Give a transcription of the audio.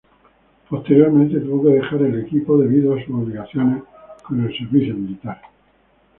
Posteriormente tuvo que dejar el equipo debido a sus obligaciones con el servicio militar.